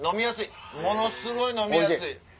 ものすごい飲みやすい。